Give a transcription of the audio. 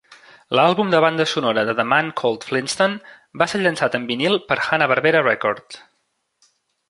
L'àlbum de banda sonora de The Man Called Flintstone va ser llançat en vinil per Hanna-Barbera Records.